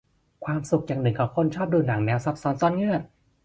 ความสุขอย่างหนึ่งของคนชอบดูหนังแนวซับซ้อนซ่อนเงื่อน